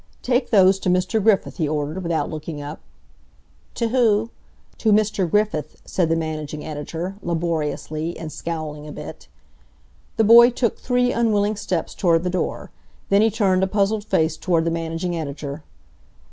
"Take those to Mr. Griffith," he ordered without looking up. "T' who?" "To Mr. Griffith," said the managing editor, laboriously, and scowling a bit. The boy took three unwilling steps toward the door. Then he turned a puzzled face toward the managing editor.